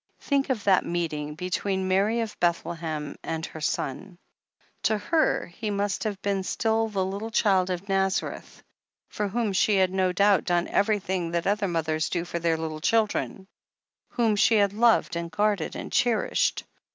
"Think of that meeting between Mary of Bethlehem and her Son. To her He must have been still the little Child of Nazareth, for whom she had no doubt done everjrthing that other mothers do for their little chil dren — ^whom she had loved and guarded and cherished.